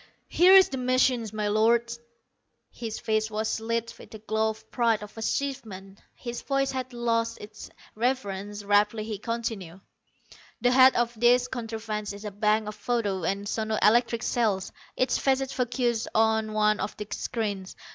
"Here is the machine, my Lords!" His face was lit with the glow of pride of achievement. His voice had lost its reverence. Rapidly he continued: "The head of this contrivance is a bank of photo and sono electric cells, each facet focussed on one of the screens.